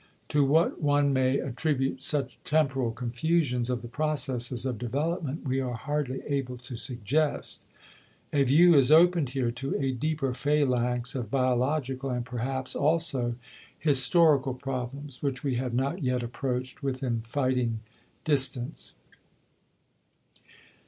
To what one may attribute such temporal confusions of the processes of development we are hardly able to suggest. A view is opened here to a deeper phalanx of biological, and perhaps also historical problems, which we have not yet approached within fighting distance.